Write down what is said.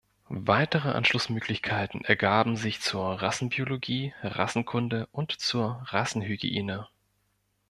Weitere Anschlussmöglichkeiten ergaben sich zur Rassenbiologie, Rassenkunde und zur Rassenhygiene.